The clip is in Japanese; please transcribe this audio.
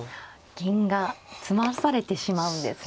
銀が詰まされてしまうんですね。